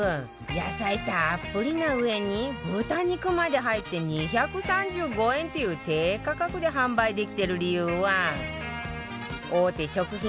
野菜たっぷりなうえに豚肉まで入って２３５円っていう低価格で販売できてる理由は大手食品